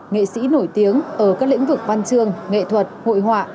nghệ sĩ nổi tiếng ở các lĩnh vực văn trường nghệ thuật hội họa